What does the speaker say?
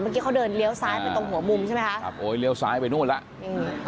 เมื่อกี้เขาเดินเลี้ยวซ้ายไปตรงหัวมุมใช่ไหมฮะอ่ะโอ้ยเลี้ยวซ้ายไปนู่นล่ะอือ